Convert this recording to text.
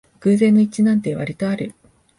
偶然の一致なんてわりとある